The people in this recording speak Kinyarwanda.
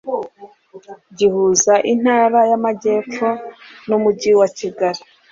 gihuza Intara y’Amajyepfo n’Umujyi wa Kigali.